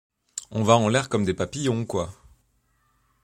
On va en l’air comme des papillons, quoi.